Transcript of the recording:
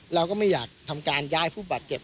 เราก็ไม่อยากทำการย้ายผู้บาดเจ็บ